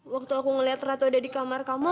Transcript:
waktu aku ngeliat ratu ada di kamar kamu